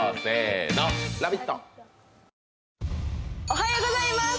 おはようございます！